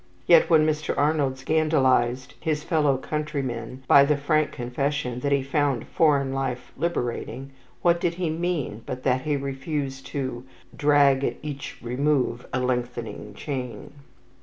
Yet when Mr. Arnold scandalized his fellow countrymen by the frank confession that he found foreign life "liberating," what did he mean but that he refused to "drag at each remove a lengthening chain"?